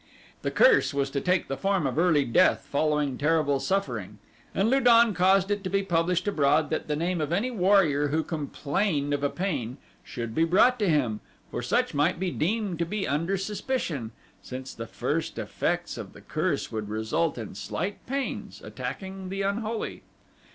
The curse was to take the form of early death following terrible suffering, and Lu don caused it to be published abroad that the name of any warrior who complained of a pain should be brought to him, for such might be deemed to be under suspicion, since the first effects of the curse would result in slight pains attacking the unholy.